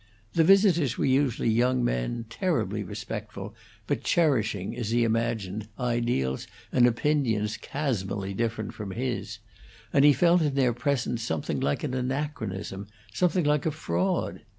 The visitors were usually young men, terribly respectful, but cherishing, as he imagined, ideals and opinions chasmally different from his; and he felt in their presence something like an anachronism, something like a fraud.